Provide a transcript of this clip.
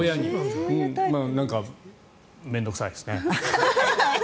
なんか面倒臭いですね。